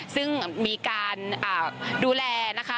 ซึ่งมีการดูแลนะคะ